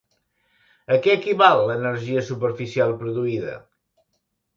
A què equival l'energia superficial produïda?